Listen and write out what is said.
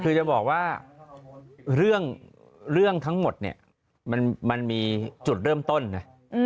คือจะบอกว่าเรื่องทั้งหมดเนี่ยมันมีจุดเริ่มต้นนะ